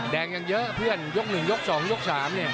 แดงยังเยอะเพื่อนยกหนึ่งยกสองยกสามเนี่ย